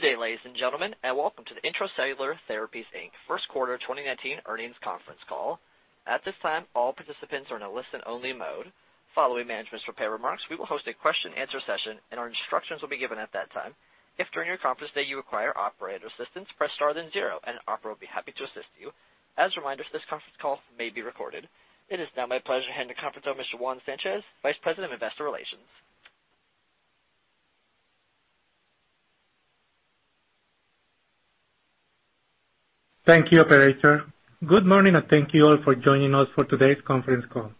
Good day, ladies and gentlemen, and welcome to the Intra-Cellular Therapies, Inc. First Quarter 2019 Earnings Conference Call. At this time, all participants are in a listen-only mode. Following management's prepared remarks, we will host a question and answer session, and our instructions will be given at that time. If during your conference today you require operator assistance, press star then zero, and an operator will be happy to assist you. As a reminder, this conference call may be recorded. It is now my pleasure to hand the conference over to Juan Sanchez, Vice President of Investor Relations. Thank you, operator. Good morning, and thank you all for joining us for today's conference call.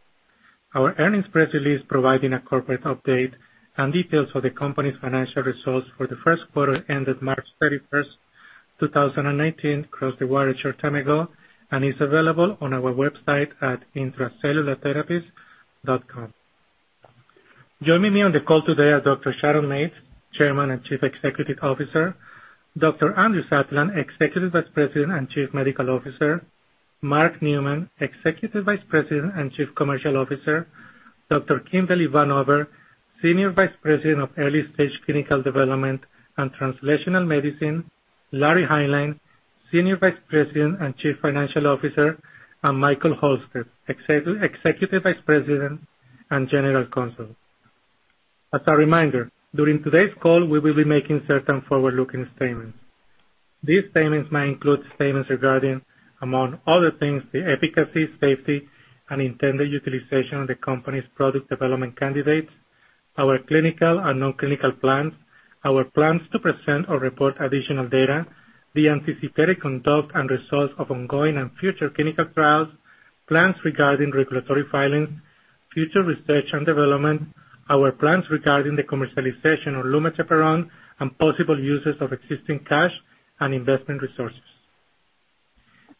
Our earnings press release providing a corporate update and details for the company's financial results for the first quarter ended March 31, 2019, crossed the wires a short time ago and is available on our website at intracellulartherapies.com. Joining me on the call today are Dr. Sharon Mates, Chairman and Chief Executive Officer, Dr. Andrew Satlin, Executive Vice President and Chief Medical Officer, Mark Newman, Executive Vice President and Chief Commercial Officer, Dr. Kimberly Vanover, Senior Vice President of Early Stage Clinical Development and Translational Medicine, Larry Hineline, Senior Vice President and Chief Financial Officer, and Michael Halstead, Executive Vice President and General Counsel. As a reminder, during today's call, we will be making certain forward-looking statements. These statements may include statements regarding, among other things, the efficacy, safety, and intended utilization of the company's product development candidates, our clinical and non-clinical plans, our plans to present or report additional data, the anticipated conduct and results of ongoing and future clinical trials, plans regarding regulatory filings, future research and development, our plans regarding the commercialization of lumateperone, and possible uses of existing cash and investment resources.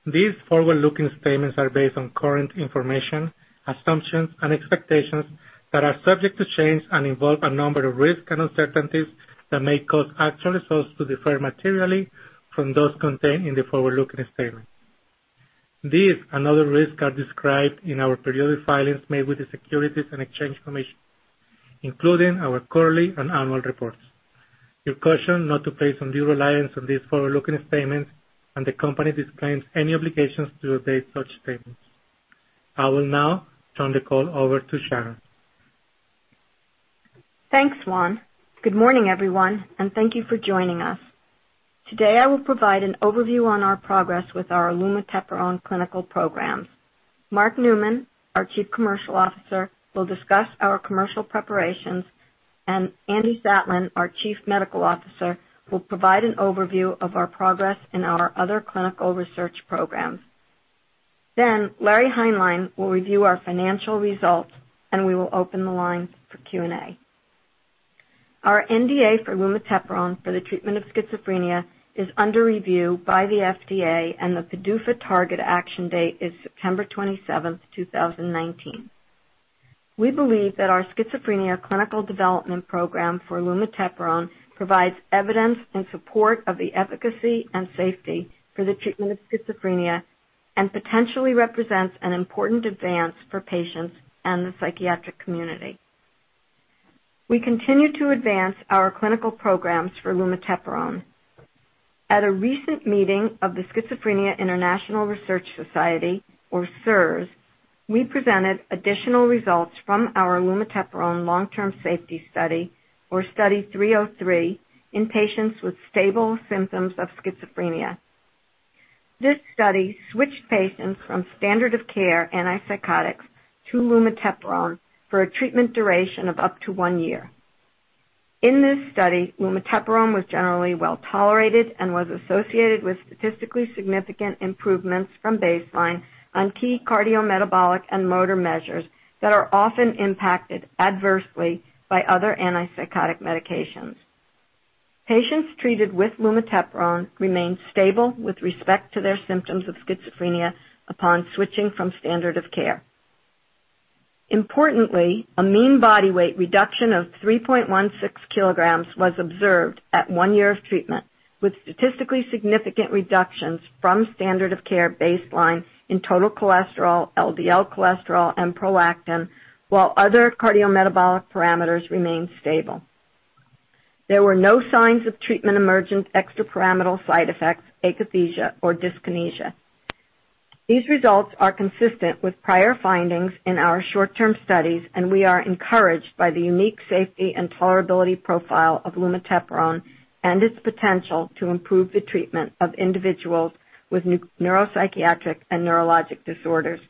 These forward-looking statements are based on current information, assumptions, and expectations that are subject to change and involve a number of risks and uncertainties that may cause actual results to differ materially from those contained in the forward-looking statements. These and other risks are described in our periodic filings made with the Securities and Exchange Commission, including our quarterly and annual reports. You're cautioned not to place undue reliance on these forward-looking statements. The company disclaims any obligations to update such statements. I will now turn the call over to Sharon. Thanks, Juan. Good morning, everyone, and thank you for joining us. Today, I will provide an overview on our progress with our lumateperone clinical programs. Mark Newman, our Chief Commercial Officer, will discuss our commercial preparations. Andy Satlin, our Chief Medical Officer, will provide an overview of our progress in our other clinical research programs. Larry Hineline will review our financial results, and we will open the line for Q&A. Our NDA for lumateperone for the treatment of schizophrenia is under review by the FDA, and the PDUFA target action date is September 27, 2019. We believe that our schizophrenia clinical development program for lumateperone provides evidence in support of the efficacy and safety for the treatment of schizophrenia and potentially represents an important advance for patients and the psychiatric community. We continue to advance our clinical programs for lumateperone. At a recent meeting of the Schizophrenia International Research Society, or SIRS, we presented additional results from our lumateperone long-term safety study, or Study 303, in patients with stable symptoms of schizophrenia. This study switched patients from standard of care antipsychotics to lumateperone for a treatment duration of up to one year. In this study, lumateperone was generally well-tolerated and was associated with statistically significant improvements from baseline on key cardiometabolic and motor measures that are often impacted adversely by other antipsychotic medications. Patients treated with lumateperone remained stable with respect to their symptoms of schizophrenia upon switching from standard of care. Importantly, a mean body weight reduction of 3.16 kilograms was observed at one year of treatment, with statistically significant reductions from standard of care baseline in total cholesterol, LDL cholesterol, and prolactin, while other cardiometabolic parameters remained stable. There were no signs of treatment-emergent extrapyramidal side effects, akathisia, or dyskinesia. We are encouraged by the unique safety and tolerability profile of lumateperone and its potential to improve the treatment of individuals with neuropsychiatric and neurologic disorders.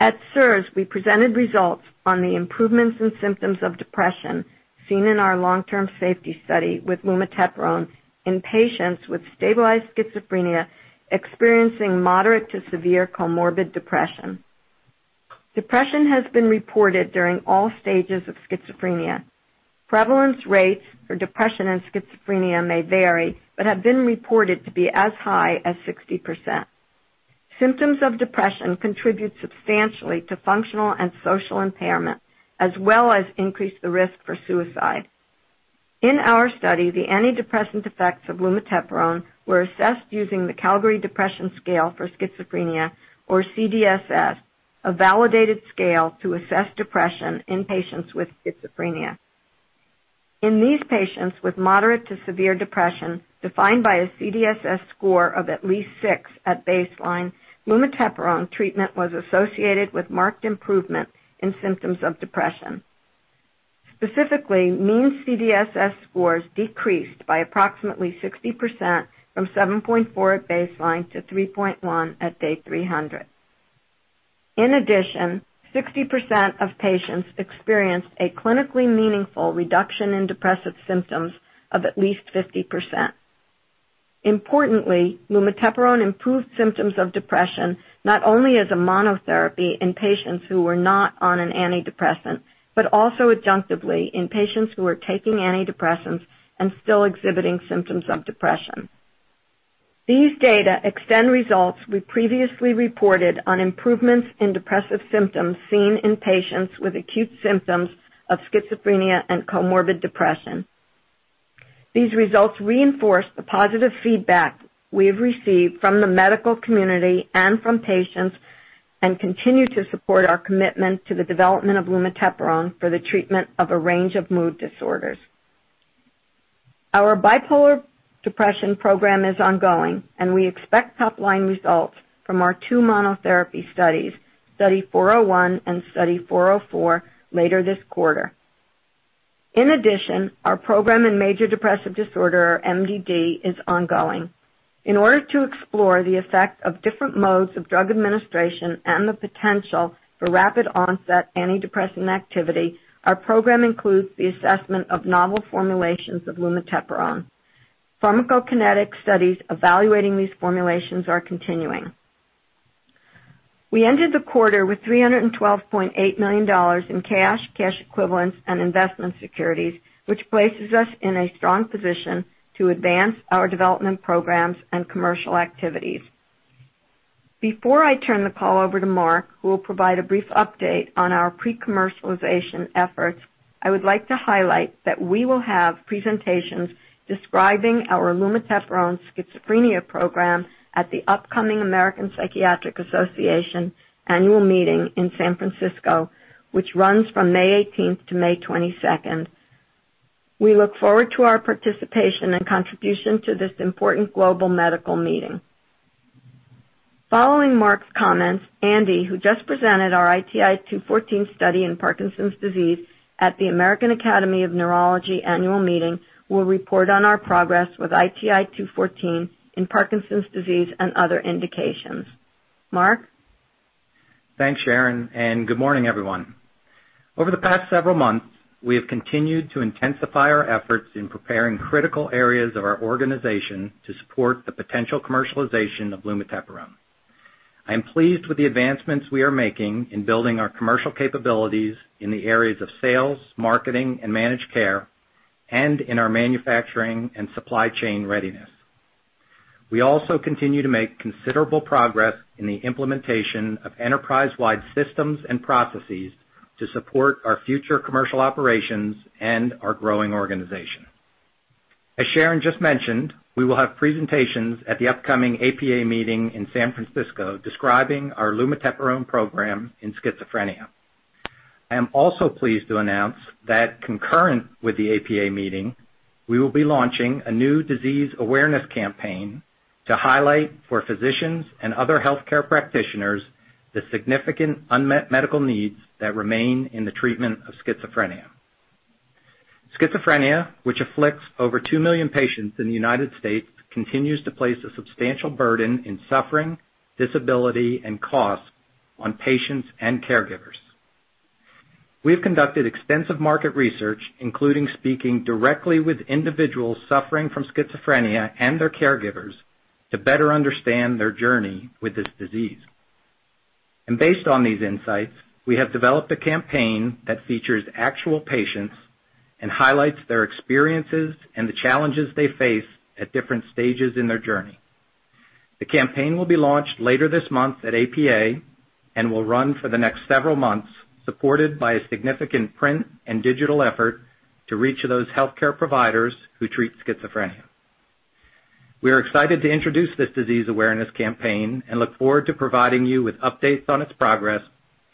At SIRS, we presented results on the improvements in symptoms of depression seen in our long-term safety study with lumateperone in patients with stabilized schizophrenia experiencing moderate to severe comorbid depression. Depression has been reported during all stages of schizophrenia. Prevalence rates for depression and schizophrenia may vary but have been reported to be as high as 60%. Symptoms of depression contribute substantially to functional and social impairment, as well as increase the risk for suicide. In our study, the antidepressant effects of lumateperone were assessed using the Calgary Depression Scale for Schizophrenia, or CDSS, a validated scale to assess depression in patients with schizophrenia. In these patients with moderate to severe depression, defined by a CDSS score of at least 6 at baseline, lumateperone treatment was associated with marked improvement in symptoms of depression. Specifically, mean CDSS scores decreased by approximately 60%, from 7.4 at baseline to 3.1 at day 300. In addition, 60% of patients experienced a clinically meaningful reduction in depressive symptoms of at least 50%. Importantly, lumateperone improved symptoms of depression not only as a monotherapy in patients who were not on an antidepressant, but also adjunctively in patients who were taking antidepressants and still exhibiting symptoms of depression. These data extend results we previously reported on improvements in depressive symptoms seen in patients with acute symptoms of schizophrenia and comorbid depression. These results reinforce the positive feedback we have received from the medical community and from patients and continue to support our commitment to the development of lumateperone for the treatment of a range of mood disorders. Our bipolar depression program is ongoing, and we expect top-line results from our two monotherapy studies, Study 401 and Study 404, later this quarter. In addition, our program in major depressive disorder, or MDD, is ongoing. In order to explore the effect of different modes of drug administration and the potential for rapid-onset antidepressant activity, our program includes the assessment of novel formulations of lumateperone. Pharmacokinetic studies evaluating these formulations are continuing. We ended the quarter with $312.8 million in cash equivalents, and investment securities, which places us in a strong position to advance our development programs and commercial activities. Before I turn the call over to Mark, who will provide a brief update on our pre-commercialization efforts, I would like to highlight that we will have presentations describing our lumateperone schizophrenia program at the upcoming American Psychiatric Association annual meeting in San Francisco, which runs from May 18th to May 22nd. We look forward to our participation and contribution to this important global medical meeting. Following Andy's comments, Andy, who just presented our ITI-214 study in Parkinson's disease at the American Academy of Neurology annual meeting, will report on our progress with ITI-214 in Parkinson's disease and other indications. Mark? Thanks, Sharon. Good morning, everyone. Over the past several months, we have continued to intensify our efforts in preparing critical areas of our organization to support the potential commercialization of lumateperone. I am pleased with the advancements we are making in building our commercial capabilities in the areas of sales, marketing, and managed care, and in our manufacturing and supply chain readiness. We also continue to make considerable progress in the implementation of enterprise-wide systems and processes to support our future commercial operations and our growing organization. As Sharon just mentioned, we will have presentations at the upcoming APA meeting in San Francisco describing our lumateperone program in schizophrenia. I am also pleased to announce that concurrent with the APA meeting, we will be launching a new disease awareness campaign to highlight for physicians and other healthcare practitioners the significant unmet medical needs that remain in the treatment of schizophrenia. Schizophrenia, which afflicts over 2 million patients in the United States, continues to place a substantial burden in suffering, disability, and cost on patients and caregivers. We have conducted extensive market research, including speaking directly with individuals suffering from schizophrenia and their caregivers, to better understand their journey with this disease. Based on these insights, we have developed a campaign that features actual patients and highlights their experiences and the challenges they face at different stages in their journey. The campaign will be launched later this month at APA and will run for the next several months, supported by a significant print and digital effort to reach those healthcare providers who treat schizophrenia. We are excited to introduce this disease awareness campaign and look forward to providing you with updates on its progress,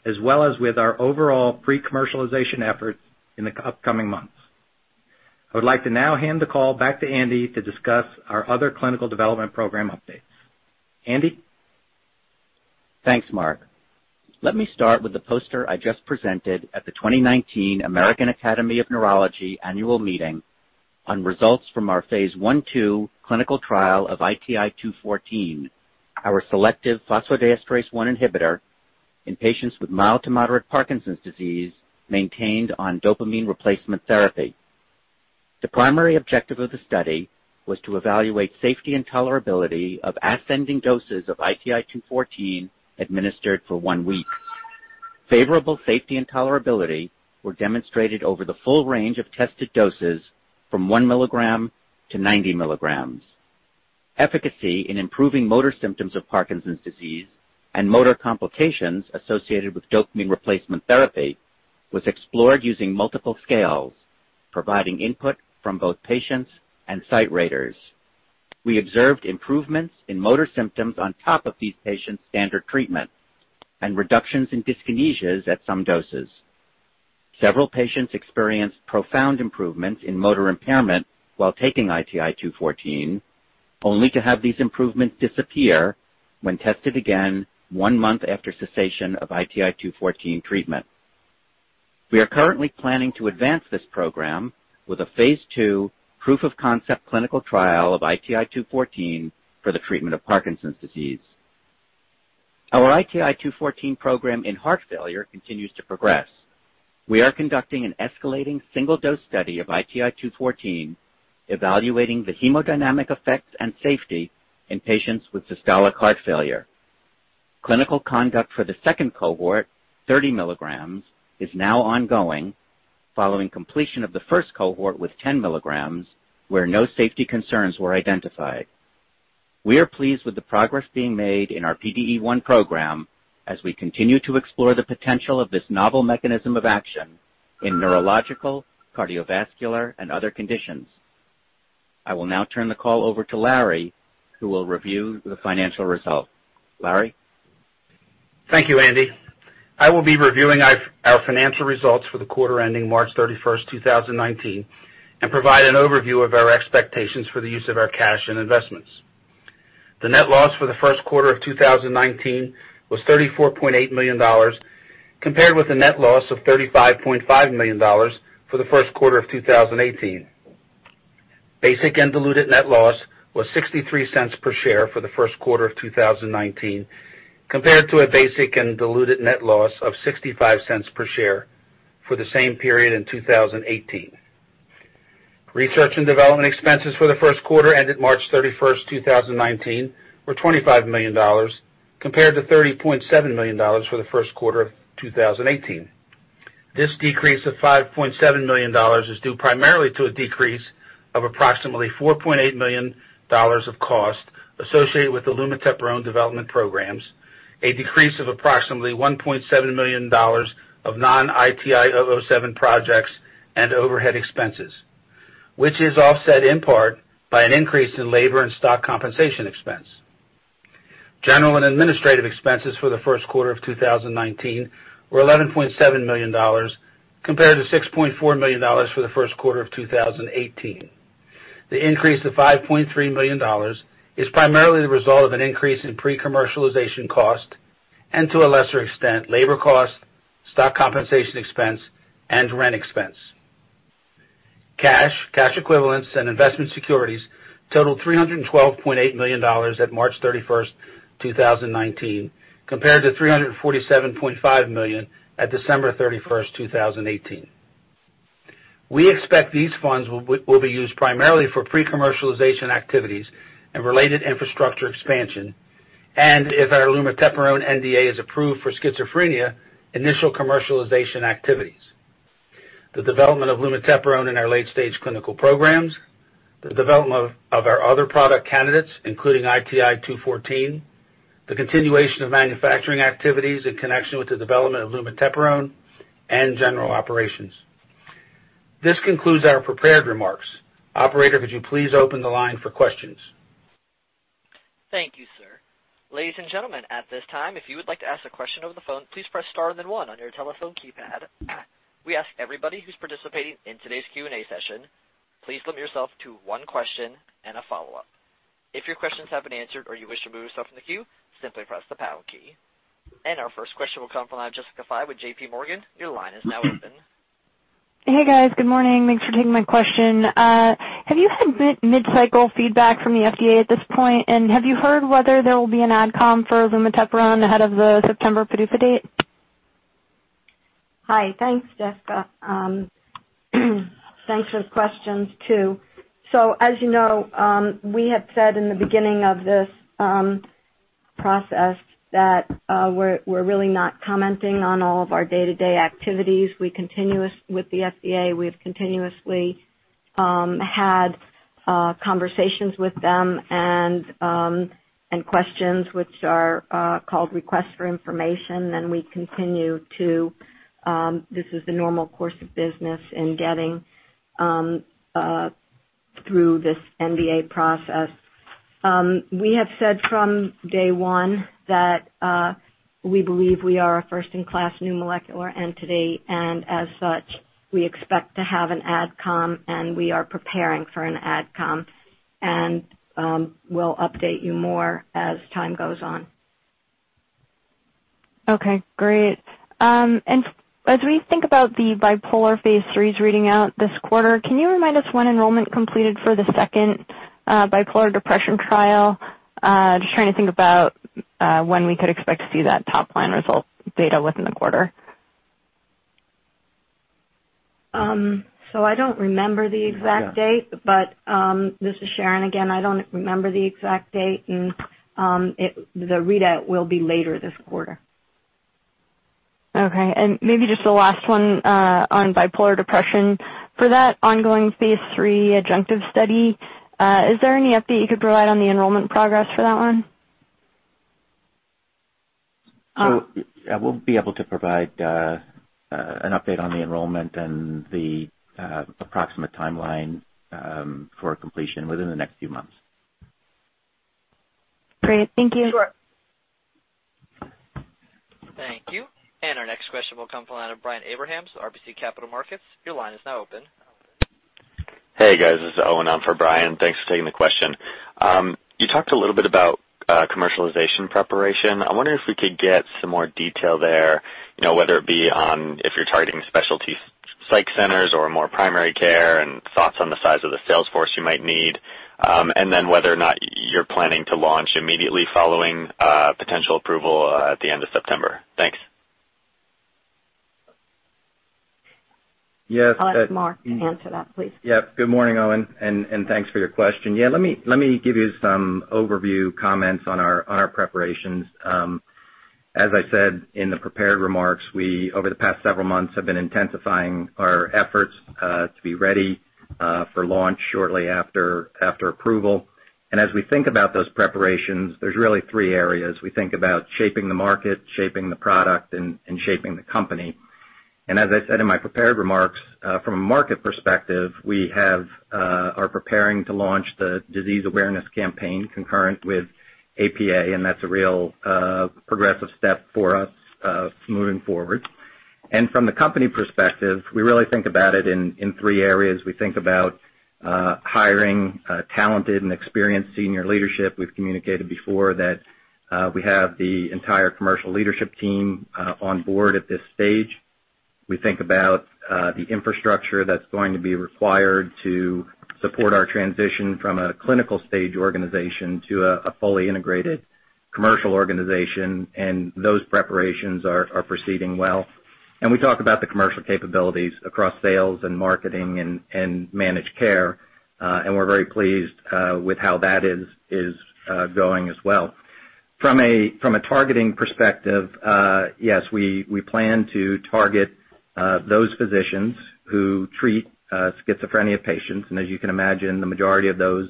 as well as with our overall pre-commercialization efforts in the upcoming months. I would like to now hand the call back to Andy to discuss our other clinical development program updates. Andy? Thanks, Mark. Let me start with the poster I just presented at the 2019 American Academy of Neurology annual meeting on results from our Phase I-II clinical trial of ITI-214, our selective phosphodiesterase 1 inhibitor in patients with mild to moderate Parkinson's disease maintained on dopamine replacement therapy. The primary objective of the study was to evaluate safety and tolerability of ascending doses of ITI-214 administered for one week. Favorable safety and tolerability were demonstrated over the full range of tested doses from one milligram to 90 milligrams. Efficacy in improving motor symptoms of Parkinson's disease and motor complications associated with dopamine replacement therapy was explored using multiple scales, providing input from both patients and site raters. We observed improvements in motor symptoms on top of these patients' standard treatment and reductions in dyskinesias at some doses. Several patients experienced profound improvements in motor impairment while taking ITI-214, only to have these improvements disappear when tested again one month after cessation of ITI-214 treatment. We are currently planning to advance this program with a Phase II proof of concept clinical trial of ITI-214 for the treatment of Parkinson's disease. Our ITI-214 program in heart failure continues to progress. We are conducting an escalating single-dose study of ITI-214, evaluating the hemodynamic effects and safety in patients with systolic heart failure. Clinical conduct for the second cohort, 30 milligrams, is now ongoing following completion of the first cohort with 10 milligrams, where no safety concerns were identified. We are pleased with the progress being made in our PDE1 program as we continue to explore the potential of this novel mechanism of action in neurological, cardiovascular, and other conditions. I will now turn the call over to Larry, who will review the financial results. Larry? Thank you, Andy. I will be reviewing our financial results for the quarter ending March 31st, 2019, and provide an overview of our expectations for the use of our cash and investments. The net loss for the first quarter of 2019 was $34.8 million, compared with a net loss of $35.5 million for the first quarter of 2018. Basic and diluted net loss was $0.63 per share for the first quarter of 2019, compared to a basic and diluted net loss of $0.65 per share for the same period in 2018. Research and development expenses for the first quarter ended March 31st, 2019, were $25 million, compared to $30.7 million for the first quarter of 2018. This decrease of $5.7 million is due primarily to a decrease of approximately $4.8 million of cost associated with the lumateperone development programs, a decrease of approximately $1.7 million of non-ITI-007 projects, and overhead expenses, which is offset in part by an increase in labor and stock compensation expense. General and administrative expenses for the first quarter of 2019 were $11.7 million, compared to $6.4 million for the first quarter of 2018. The increase to $5.3 million is primarily the result of an increase in pre-commercialization cost and to a lesser extent, labor cost, stock compensation expense, and rent expense. Cash, cash equivalents, and investment securities totaled $312.8 million at March 31st, 2019, compared to $347.5 million at December 31st, 2018. We expect these funds will be used primarily for pre-commercialization activities and related infrastructure expansion. If our lumateperone NDA is approved for schizophrenia, initial commercialization activities. The development of lumateperone in our late-stage clinical programs, the development of our other product candidates, including ITI-214, the continuation of manufacturing activities in connection with the development of lumateperone, and general operations. This concludes our prepared remarks. Operator, could you please open the line for questions? Thank you, sir. Ladies and gentlemen, at this time, if you would like to ask a question over the phone, please press star and then one on your telephone keypad. We ask everybody who is participating in today's Q&A session, please limit yourself to one question and a follow-up. If your questions have been answered or you wish to move yourself in the queue, simply press the pound key. Our first question will come from Jessica Fye with J.P. Morgan. Your line is now open. Hey, guys. Good morning. Thanks for taking my question. Have you had mid-cycle feedback from the FDA at this point? Have you heard whether there will be an AdCom for lumateperone ahead of the September PDUFA date? Hi. Thanks, Jessica. Thanks for the questions, too. As you know, we had said in the beginning of this process that we're really not commenting on all of our day-to-day activities. We have continuously had conversations with them and questions which are called requests for information, and we continue to. This is the normal course of business in getting through this NDA process. We have said from day one that we believe we are a first-in-class new molecular entity. As such, we expect to have an AdCom, and we are preparing for an AdCom, and we'll update you more as time goes on. Okay. Great. As we think about the bipolar phase III's reading out this quarter, can you remind us when enrollment completed for the second bipolar depression trial? Just trying to think about when we could expect to see that top-line result data within the quarter. I don't remember the exact date. This is Sharon again. I don't remember the exact date. The readout will be later this quarter. Okay. Maybe just the last one on bipolar depression. For that ongoing phase III adjunctive study, is there any update you could provide on the enrollment progress for that one? We'll be able to provide an update on the enrollment and the approximate timeline for completion within the next few months. Great. Thank you. Sure. Thank you. Our next question will come from Brian Abrahams, RBC Capital Markets. Your line is now open. Hey, guys. This is Owen in for Brian. Thanks for taking the question. You talked a little bit about commercialization preparation. I wonder if we could get some more detail there, whether it be on if you're targeting specialty psych centers or more primary care and thoughts on the size of the sales force you might need. Whether or not you're planning to launch immediately following potential approval at the end of September. Thanks. Yes. I'll ask Mark to answer that, please. Good morning, Owen, and thanks for your question. Let me give you some overview comments on our preparations. As I said in the prepared remarks, we, over the past several months, have been intensifying our efforts, to be ready for launch shortly after approval. As we think about those preparations, there's really three areas. We think about shaping the market, shaping the product, and shaping the company. As I said in my prepared remarks, from a market perspective, we are preparing to launch the disease awareness campaign concurrent with APA, and that's a real progressive step for us, moving forward. From the company perspective, we really think about it in three areas. We think about hiring talented and experienced senior leadership. We've communicated before that we have the entire commercial leadership team on board at this stage. We think about the infrastructure that's going to be required to support our transition from a clinical stage organization to a fully integrated commercial organization. Those preparations are proceeding well. We talk about the commercial capabilities across sales and marketing and managed care. We're very pleased with how that is going as well. From a targeting perspective, yes, we plan to target those physicians who treat schizophrenia patients. As you can imagine, the majority of those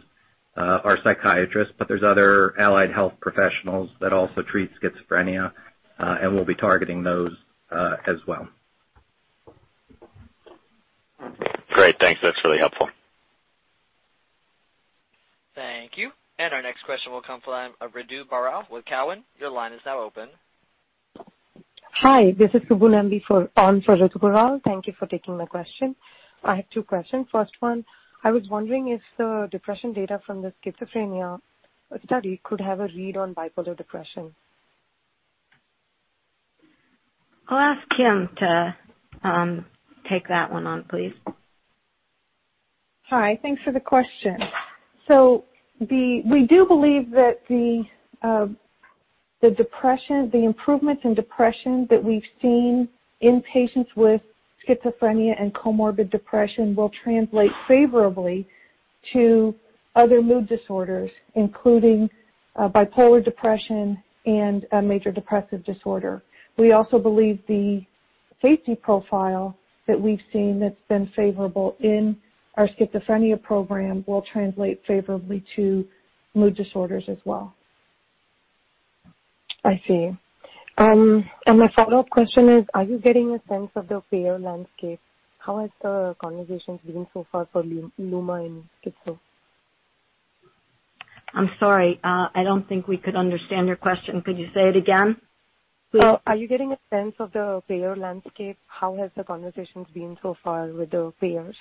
are psychiatrists, but there's other allied health professionals that also treat schizophrenia, and we'll be targeting those as well. Great. Thanks. That's really helpful. Thank you. Our next question will come from Ritu Baral with Cowen. Your line is now open. Hi, this is Ritu Baral. Thank you for taking my question. I have two questions. First one, I was wondering if the depression data from the schizophrenia study could have a read on bipolar depression. I'll ask Kim to take that one on, please. Hi. Thanks for the question. We do believe that the improvements in depression that we've seen in patients with schizophrenia and comorbid depression will translate favorably to other mood disorders, including bipolar depression and major depressive disorder. We also believe the safety profile that we've seen that's been favorable in our schizophrenia program will translate favorably to mood disorders as well. I see. My follow-up question is, are you getting a sense of the payer landscape? How has the conversations been so far for lumateperone and SKPSO? I'm sorry. I don't think we could understand your question. Could you say it again? Are you getting a sense of the payer landscape? How has the conversations been so far with the payers?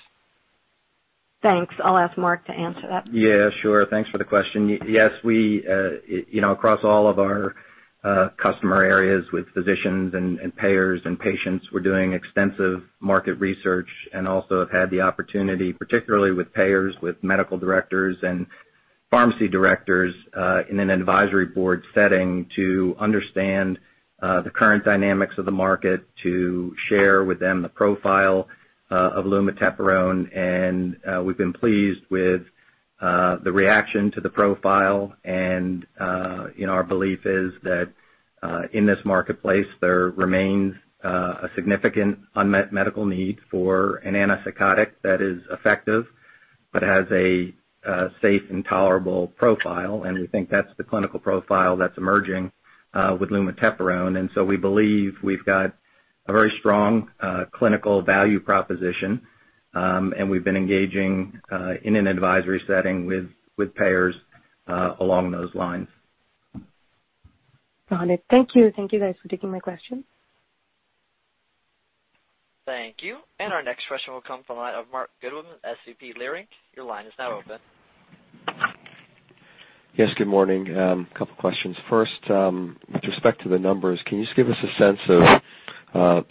Thanks. I'll ask Mark to answer that. Yeah, sure. Thanks for the question. Yes, across all of our customer areas with physicians and payers and patients, we're doing extensive market research and also have had the opportunity, particularly with payers, with medical directors and pharmacy directors, in an advisory board setting to understand the current dynamics of the market, to share with them the profile of lumateperone. We've been pleased with the reaction to the profile. Our belief is that, in this marketplace, there remains a significant unmet medical need for an antipsychotic that is effective but has a safe and tolerable profile. We think that's the clinical profile that's emerging with lumateperone. We believe we've got a very strong clinical value proposition. We've been engaging in an advisory setting with payers along those lines. Got it. Thank you. Thank you guys for taking my question. Thank you. Our next question will come from the line of Mark Goodman, SVB Leerink. Your line is now open. Yes, good morning. A couple of questions. First, with respect to the numbers, can you just give us a sense of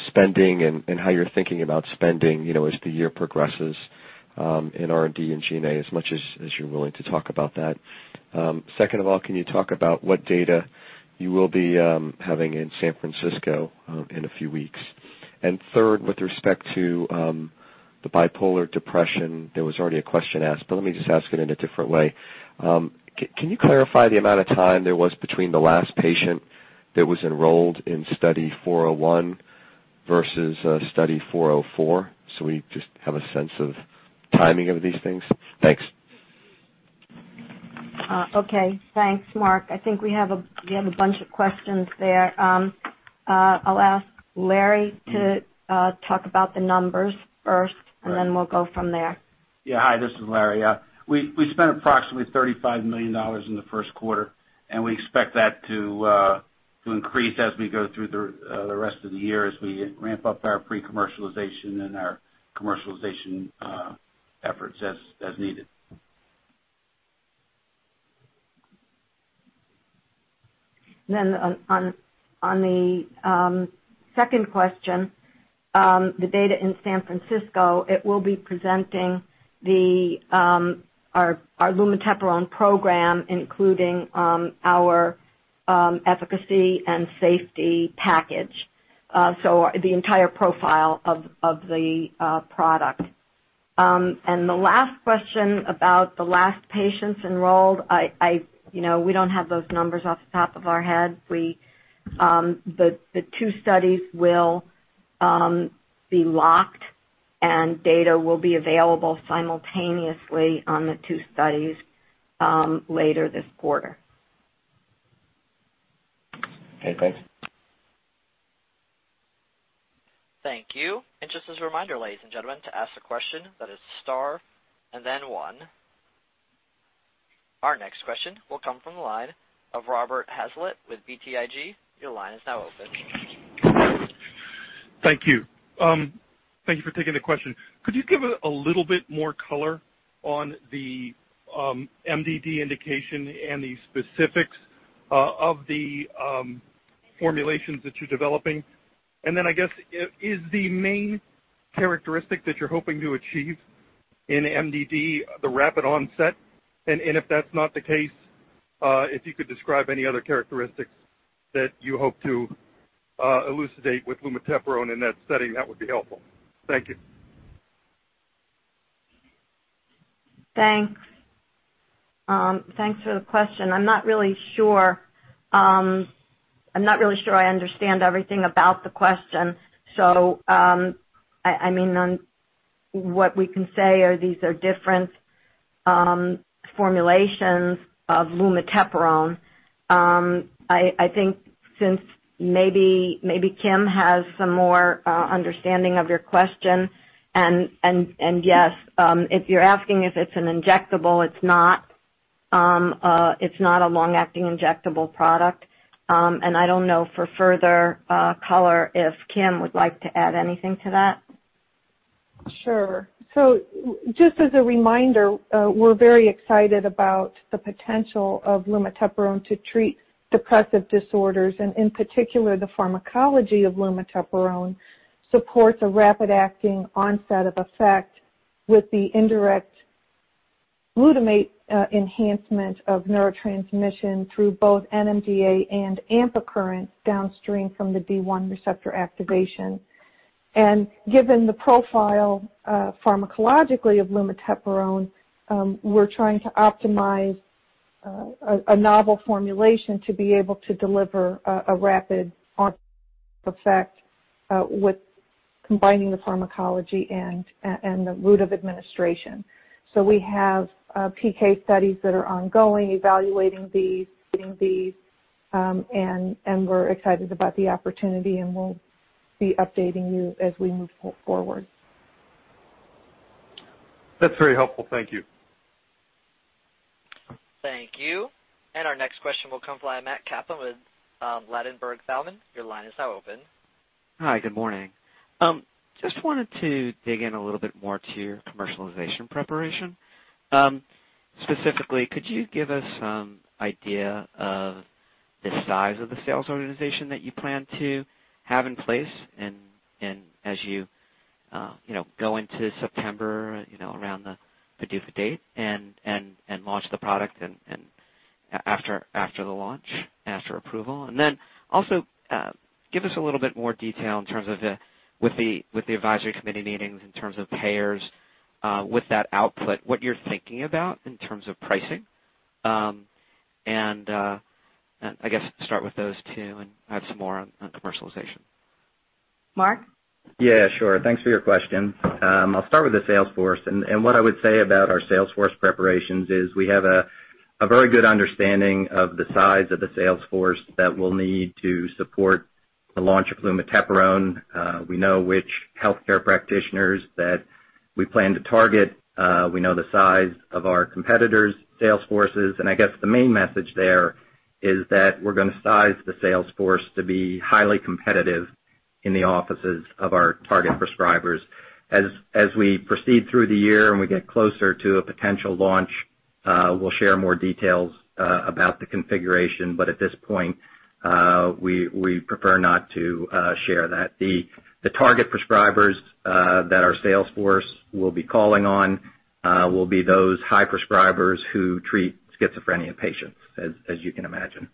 spending and how you're thinking about spending as the year progresses in R&D and G&A, as much as you're willing to talk about that? Second of all, can you talk about what data you will be having in San Francisco in a few weeks? Third, with respect to the bipolar depression, there was already a question asked, but let me just ask it in a different way. Can you clarify the amount of time there was between the last patient that was enrolled in Study 401 versus Study 404? We just have a sense of timing of these things. Thanks. Okay. Thanks, Mark. I think we have a bunch of questions there. I'll ask Larry to talk about the numbers first, then we'll go from there. Yeah. Hi, this is Larry. We spent approximately $35 million in the first quarter, we expect that to increase as we go through the rest of the year, as we ramp up our pre-commercialization and our commercialization efforts as needed. On the second question, the data in San Francisco, it will be presenting our lumateperone program, including our efficacy and safety package. The entire profile of the product. The last question about the last patients enrolled, we don't have those numbers off the top of our head. The two studies will be locked, data will be available simultaneously on the two studies, later this quarter. Okay, thanks. Thank you. Just as a reminder, ladies and gentlemen, to ask a question that is star and then one. Our next question will come from the line of Robert Hazlett with BTIG. Your line is now open. Thank you. Thank you for taking the question. Could you give a little bit more color on the MDD indication and the specifics of the formulations that you're developing? I guess, is the main characteristic that you're hoping to achieve in MDD, the rapid onset? If that's not the case, if you could describe any other characteristics that you hope to elucidate with lumateperone in that setting, that would be helpful. Thank you. Thanks. Thanks for the question. I'm not really sure I understand everything about the question. What we can say are these are different formulations of lumateperone. I think since maybe Kim has some more understanding of your question. Yes, if you're asking if it's an injectable, it's not. It's not a long-acting injectable product. I don't know for further color if Kim would like to add anything to that. Just as a reminder, we're very excited about the potential of lumateperone to treat depressive disorders, and in particular, the pharmacology of lumateperone supports a rapid-acting onset of effect with the indirect glutamate enhancement of neurotransmission through both NMDA and AMPA current downstream from the D1 receptor activation. Given the profile pharmacologically of lumateperone, we're trying to optimize a novel formulation to be able to deliver a rapid onset effect, with combining the pharmacology and the route of administration. We have PK studies that are ongoing evaluating these, doing these, and we're excited about the opportunity, and we'll be updating you as we move forward. That's very helpful. Thank you. Thank you. Our next question will come via Matthew Kaplan with Ladenburg Thalmann. Your line is now open. Hi, good morning. Just wanted to dig in a little bit more to your commercialization preparation. Specifically, could you give us some idea of the size of the sales organization that you plan to have in place as you go into September around the PDUFA date and launch the product and after the launch, after approval? Then also, give us a little bit more detail in terms of with the advisory committee meetings, in terms of payers, with that output, what you're thinking about in terms of pricing. I guess start with those two and I have some more on commercialization. Mark? Yeah, sure. Thanks for your question. I'll start with the sales force. What I would say about our sales force preparations is we have a very good understanding of the size of the sales force that we'll need to support the launch of lumateperone. We know which healthcare practitioners that we plan to target. We know the size of our competitors' sales forces. I guess the main message there is that we're going to size the sales force to be highly competitive in the offices of our target prescribers. As we proceed through the year and we get closer to a potential launch, we'll share more details about the configuration. At this point, we prefer not to share that. The target prescribers that our sales force will be calling on will be those high prescribers who treat schizophrenia patients, as you can imagine.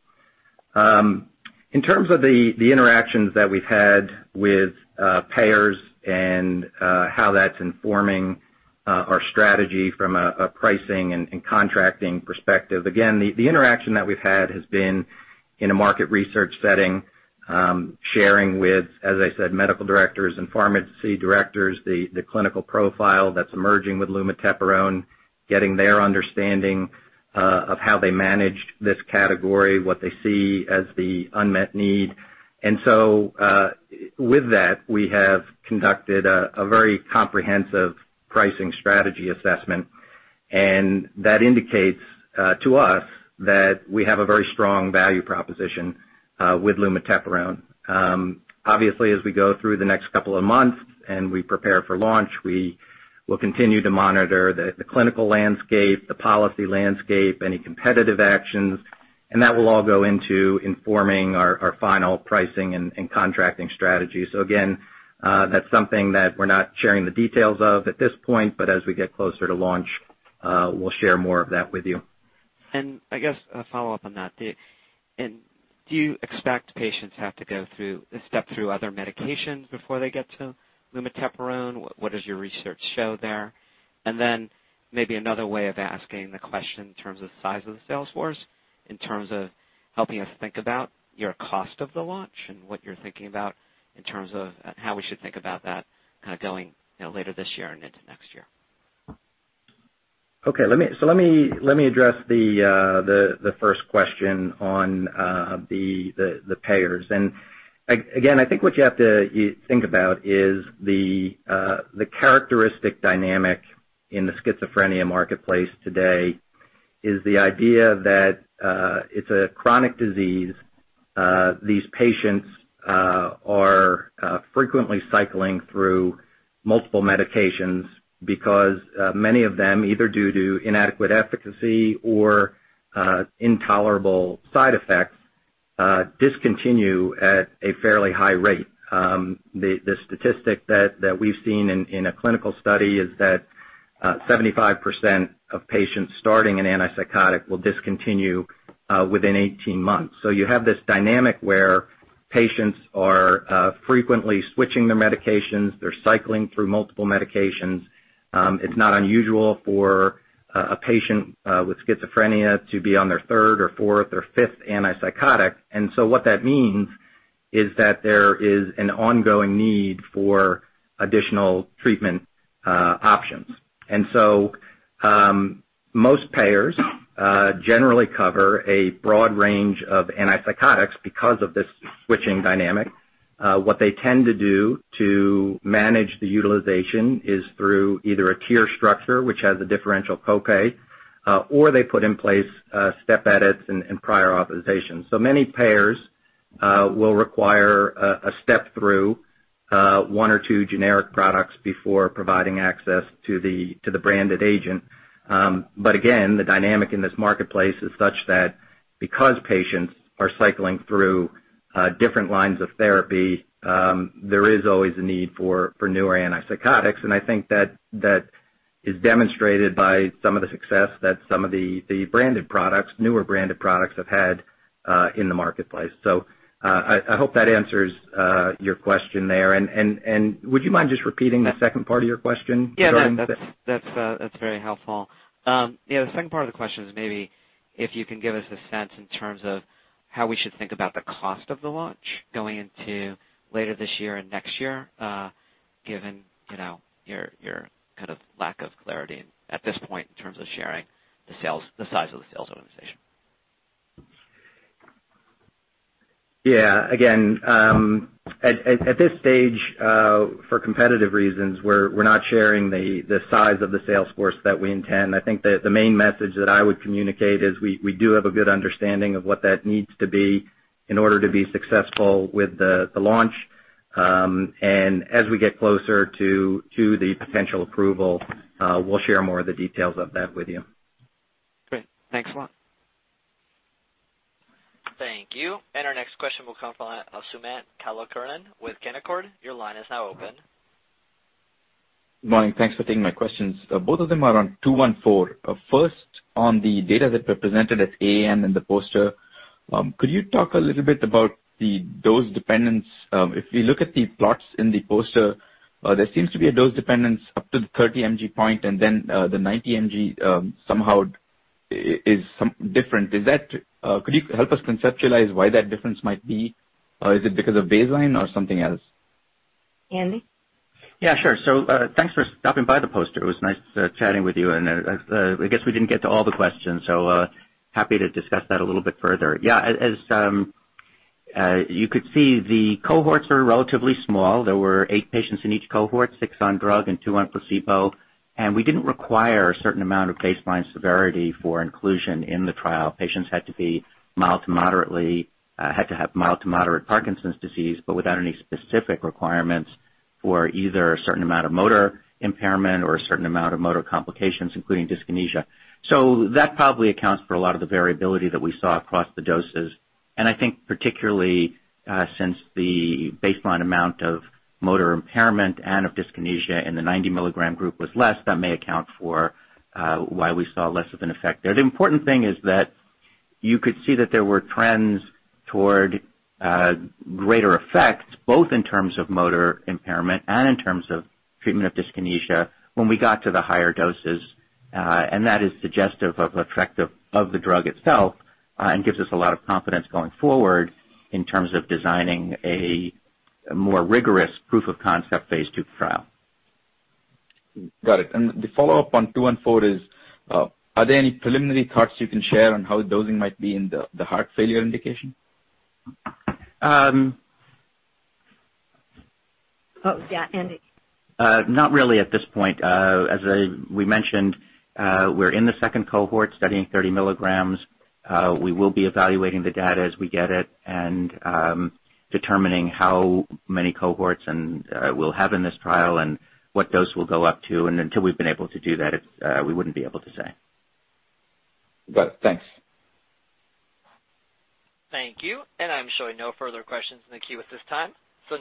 In terms of the interactions that we've had with payers and how that's informing our strategy from a pricing and contracting perspective, again, the interaction that we've had has been in a market research setting. Sharing with, as I said, medical directors and pharmacy directors, the clinical profile that's emerging with lumateperone, getting their understanding of how they managed this category, what they see as the unmet need. With that, we have conducted a very comprehensive pricing strategy assessment. That indicates to us that we have a very strong value proposition with lumateperone. Obviously, as we go through the next couple of months and we prepare for launch, we will continue to monitor the clinical landscape, the policy landscape, any competitive actions, and that will all go into informing our final pricing and contracting strategy. Again, that's something that we're not sharing the details of at this point, but as we get closer to launch, we'll share more of that with you. I guess a follow-up on that. Do you expect patients have to step through other medications before they get to lumateperone? What does your research show there? Maybe another way of asking the question in terms of size of the sales force, in terms of helping us think about your cost of the launch and what you're thinking about in terms of how we should think about that going later this year and into next year. Okay. Let me address the first question on the payers. Again, I think what you have to think about is the characteristic dynamic in the schizophrenia marketplace today is the idea that it's a chronic disease. These patients are frequently cycling through multiple medications because many of them, either due to inadequate efficacy or intolerable side effects, discontinue at a fairly high rate. The statistic that we've seen in a clinical study is that 75% of patients starting an antipsychotic will discontinue within 18 months. You have this dynamic where patients are frequently switching their medications. They're cycling through multiple medications. It's not unusual for a patient with schizophrenia to be on their third or fourth or fifth antipsychotic. What that means is that there is an ongoing need for additional treatment options. Most payers generally cover a broad range of antipsychotics because of this switching dynamic. What they tend to do to manage the utilization is through either a tier structure, which has a differential copay, or they put in place step edits and prior authorizations. Many payers will require a step through one or two generic products before providing access to the branded agent. Again, the dynamic in this marketplace is such that because patients are cycling through different lines of therapy, there is always a need for newer antipsychotics, and I think that is demonstrated by some of the success that some of the branded products, newer branded products, have had in the marketplace. I hope that answers your question there. Would you mind just repeating the second part of your question regarding the- Yeah, that's very helpful. The second part of the question is maybe if you can give us a sense in terms of how we should think about the cost of the launch going into later this year and next year, given your lack of clarity at this point in terms of sharing the size of the sales organization. Yeah. Again, at this stage, for competitive reasons, we're not sharing the size of the sales force that we intend. I think the main message that I would communicate is we do have a good understanding of what that needs to be in order to be successful with the launch. As we get closer to the potential approval, we'll share more of the details of that with you. Great. Thanks a lot. Thank you. Our next question will come from Sumant Kulkarni with Canaccord. Your line is now open. Morning. Thanks for taking my questions. Both of them are on ITI-214. First, on the data that represented at AAN in the poster, could you talk a little bit about the dose dependence? If we look at the plots in the poster, there seems to be a dose dependence up to the 30 mg point, and then the 90 mg somehow is different. Could you help us conceptualize why that difference might be? Is it because of baseline or something else? Andy? Yeah, sure. Thanks for stopping by the poster. It was nice chatting with you, and I guess we didn't get to all the questions, so happy to discuss that a little bit further. Yeah, as you could see, the cohorts were relatively small. There were eight patients in each cohort, six on drug and two on placebo. We didn't require a certain amount of baseline severity for inclusion in the trial. Patients had to have mild to moderate Parkinson's disease, but without any specific requirements for either a certain amount of motor impairment or a certain amount of motor complications, including dyskinesia. That probably accounts for a lot of the variability that we saw across the doses. I think particularly, since the baseline amount of motor impairment and of dyskinesia in the 90 milligram group was less, that may account for why we saw less of an effect there. The important thing is that you could see that there were trends toward greater effects, both in terms of motor impairment and in terms of treatment of dyskinesia when we got to the higher doses. That is suggestive of effect of the drug itself, and gives us a lot of confidence going forward in terms of designing a more rigorous proof of concept phase II trial. Got it. The follow-up on 214 is, are there any preliminary thoughts you can share on how dosing might be in the heart failure indication? Oh, yeah, Andy. Not really at this point. As we mentioned, we're in the second cohort studying 30 milligrams. We will be evaluating the data as we get it and determining how many cohorts we'll have in this trial and what dose we'll go up to. Until we've been able to do that, we wouldn't be able to say. Got it. Thanks. Thank you. I'm showing no further questions in the queue at this time.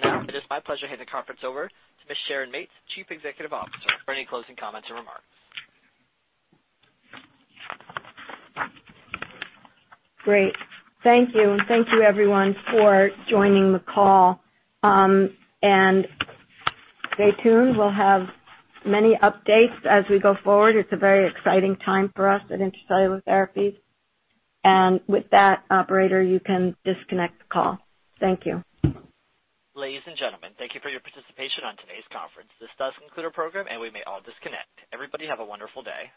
Now it is my pleasure to hand the conference over to Ms. Sharon Mates, Chief Executive Officer, for any closing comments or remarks. Great. Thank you. Thank you everyone for joining the call. Stay tuned. We'll have many updates as we go forward. It's a very exciting time for us at Intra-Cellular Therapies. With that, operator, you can disconnect the call. Thank you. Ladies and gentlemen, thank you for your participation on today's conference. This does conclude our program, and we may all disconnect. Everybody have a wonderful day.